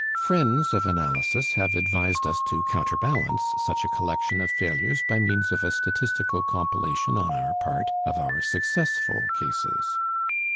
Friends of analysis have advised us to counterbalance such a collection of failures by means of a statistical compilation on our part of our successful cases.